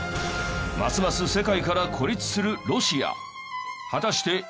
ますます世界から孤立するロシア。